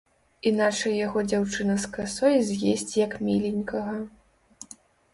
Іначай яго дзяўчына з касой з'есць як міленькага.